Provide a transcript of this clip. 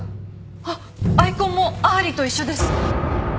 あっアイコンもアーリーと一緒です！